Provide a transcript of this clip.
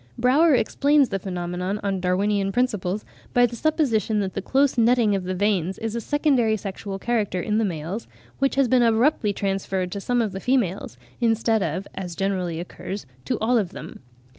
Brauer "explains the phenomenon on Darwinian principles by the supposition that the close netting of the veins is a secondary sexual character in the males, which has been abruptly transferred to some of the females, instead of, as generally occurs, to all of them."